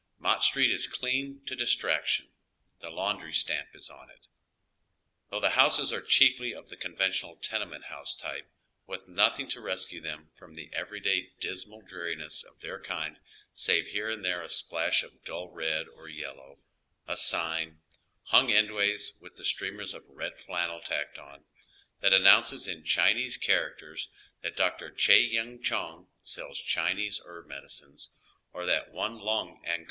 Mott Street is clean to distraction : the laundry stamp is on it, though the houses are chiefly of the con ventional tenement house type, with nothing to rescue them from the everyday dismal dreariness of their kind save here and there a splash of dull red or yellow, a sign, hung endways and with streamers of red flannel tacked on, that announces in Chinese characters that Dr. Chay Ten Chong sells Chinese herb medicines, or that Won Lung & Co.